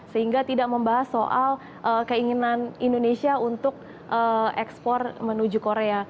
sehingga tidak membahas soal keinginan indonesia untuk ekspor menuju korea